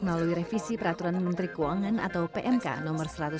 melalui revisi peraturan menteri keuangan atau pmk no satu ratus delapan belas dua ribu enam belas